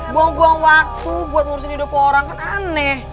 buang buang waktu buat ngurusin hidup orang kan aneh